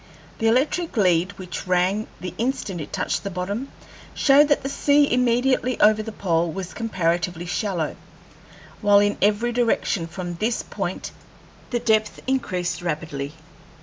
The electric lead, which rang the instant it touched bottom, showed that the sea immediately over the pole was comparatively shallow, while in every direction from this point the depth increased rapidly.